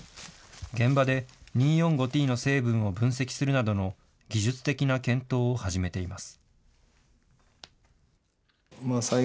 現場で２，４，５ーＴの成分を分析するなどの技術的な検討を始めています。